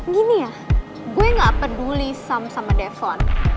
gini ya gue ga peduli sam sama devon